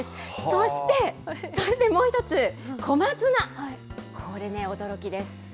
そして、そしてもう一つ、小松菜、これね、驚きです。